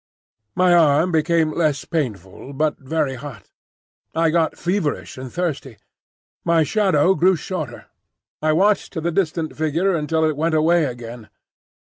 My arm became less painful, but very hot. I got feverish and thirsty. My shadow grew shorter. I watched the distant figure until it went away again.